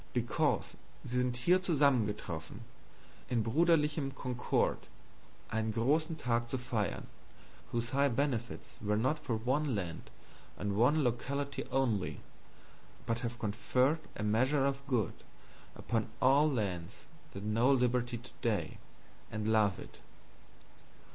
Because sie sind hier zusammengetroffen, in Bruderlichem concord, ein grossen Tag zu feirn, whose high benefits were not for one land and one locality, but have conferred a measure of good upon all lands that know liberty today, and love it.